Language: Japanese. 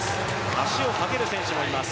足をかける選手もいます。